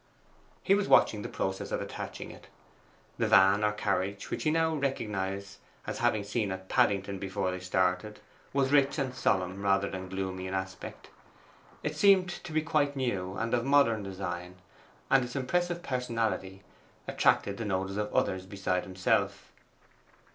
He was watching the process of attaching it. The van or carriage, which he now recognized as having seen at Paddington before they started, was rich and solemn rather than gloomy in aspect. It seemed to be quite new, and of modern design, and its impressive personality attracted the notice of others beside himself.